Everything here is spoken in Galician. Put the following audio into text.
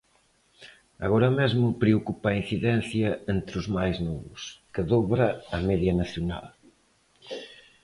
Agora mesmo preocupa a incidencia entre os máis novos, que dobra a media nacional.